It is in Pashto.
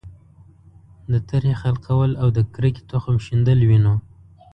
د ترهې خلقول او د کرکې تخم شیندل وینو.